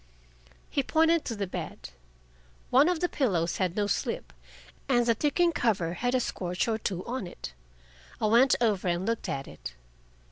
He pointed to the bed. One of the pillows had no slip, and the ticking cover had a scorch or two on it. I went over and looked at it.